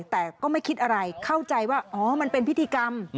แต่ก็ไม่คิดอะไรเข้าใจว่าอ๋อมันเป็นพิธีกรรม